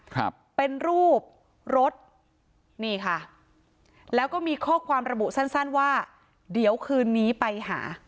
ครับเป็นรูปรถนี่ค่ะแล้วก็มีข้อความระบุสั้นสั้นว่าเดี๋ยวคืนนี้ไปหา